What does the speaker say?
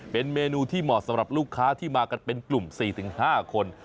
เป็นเมนูที่เหมาะสำหรับลูกค้าที่มากันเป็นกลุ่ม๔๕คน